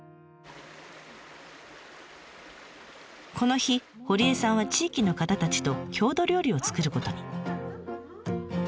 この日堀江さんは地域の方たちと郷土料理を作ることに。